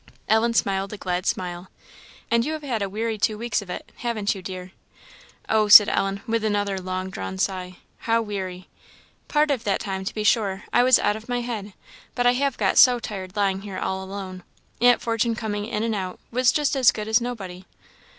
Ellen smiled a glad smile. "And you have had a weary two weeks of it, haven't you, dear?" "Oh," said Ellen, with another long drawn sigh, "how weary! Part of that time, to be sure, I was out of my head; but I have got so tired lying here all alone; Aunt Fortune coming in and out, was just as good as nobody."